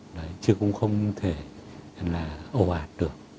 đấy chứ cũng không thể là ồ ạt được